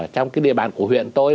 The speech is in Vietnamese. trong cái địa bàn của huyện tôi